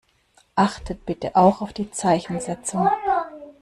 Achtet bitte auch auf die Zeichensetzung.